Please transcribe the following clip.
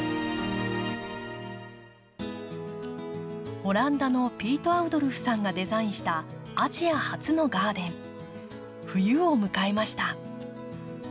オランダのピート・アウドルフさんがデザインしたアジア初のガーデン冬を迎えました。